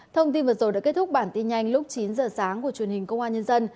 thông tin vừa rồi đã kết thúc bản tin nhanh lúc chín giờ sáng của truyền hình công an nhân dân